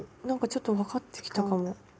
なんかちょっと分かってきたかも。